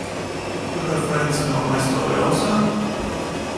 Do her friends know my story also?